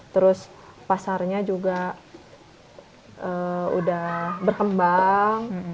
terus pasarnya juga udah berkembang